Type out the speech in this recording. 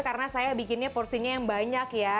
karena saya bikinnya porsinya yang banyak ya